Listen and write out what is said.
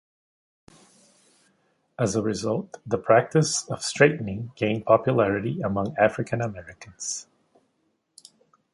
As a result, the practice of straightening gained popularity among African Americans.